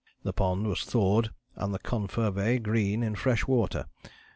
The pond was thawed and the confervae green in fresh water.